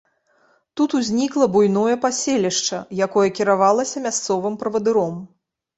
Тут узнікла буйное паселішча, якое кіравалася мясцовым правадыром.